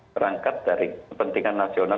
berangkat dari kepentingan nasional